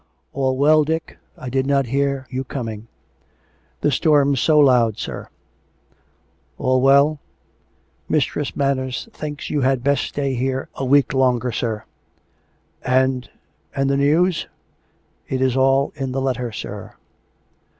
"All well, Dick.'' I did not hear you coming." " The storm's too loud, sir." "All well?" " Mistress Manners thinks you had best stay here a week longer, sir." " And ... and the news ?"" It is all in the letter, sir."